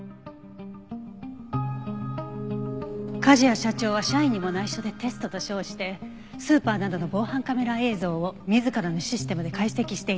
梶谷社長は社員にも内緒でテストと称してスーパーなどの防犯カメラ映像を自らのシステムで解析していた。